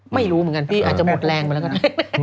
ไม่รู้เหมือนกันพี่อาจจะหมดแรงไปแล้วก็ได้